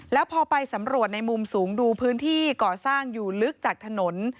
แล้วพอไปสำรวจในมุมสูงดูพื้นที่ก่อสร้างอยู่ลึกจากถนน